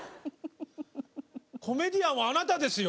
コメディアンはあなたですよ。